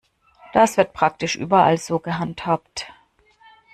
Das wird praktisch überall so gehandhabt.